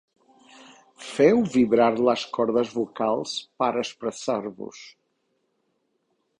Feu vibrar les cordes vocals per expressar-vos.